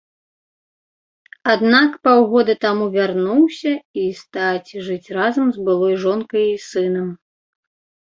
Аднак паўгода таму вярнуўся і стаць жыць разам з былой жонкай і сынам.